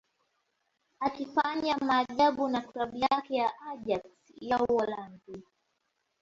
akifanya maajabu na klabu yake ya Ajax ya Uholanzi